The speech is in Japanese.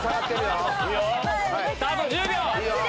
あと１０秒！